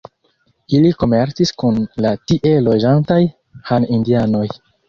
Ili komercis kun la tie loĝantaj Han-indianoj.